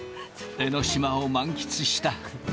江の島を満喫した。